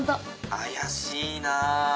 怪しいな。